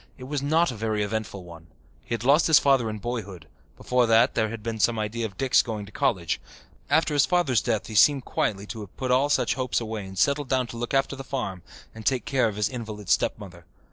It was not a very eventful one. He had lost his father in boyhood; before that there had been some idea of Dick's going to college. After his father's death he seemed quietly to have put all such hopes away and settled down to look after the farm and take care of his invalid stepmother.